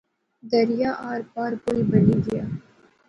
دریا آر پار پل بنی گیا